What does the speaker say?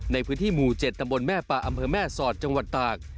ในพื้นที่หมู่๗ตำบลแม่ป่าอำเภอแม่สอดจังหวัดตาก